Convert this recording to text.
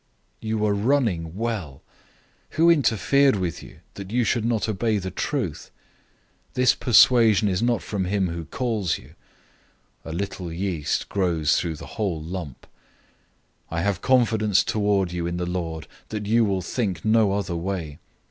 005:007 You were running well! Who interfered with you that you should not obey the truth? 005:008 This persuasion is not from him who calls you. 005:009 A little yeast grows through the whole lump. 005:010 I have confidence toward you in the Lord that you will think no other way.